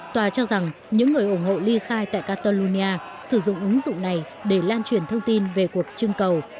tòa cho rằng những người ủng hộ ly khai tại catalunia sử dụng ứng dụng này để lan truyền thông tin về cuộc trưng cầu